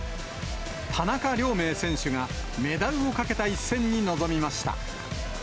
田中亮明選手が、メダルをかけた一戦に臨みました。